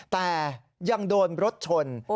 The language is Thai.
แต่ยังโดนรถชน